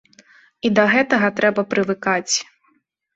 І да гэтага трэба прывыкаць.